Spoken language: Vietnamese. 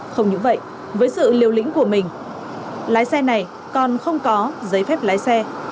không những vậy với sự liều lĩnh của mình lái xe này còn không có giấy phép lái xe